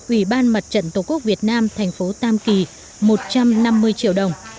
ủy ban mặt trận tổ quốc việt nam thành phố tam kỳ một trăm năm mươi triệu đồng